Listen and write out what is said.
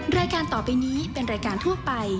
รายการต่อไปนี้เป็นรายการทั่วไป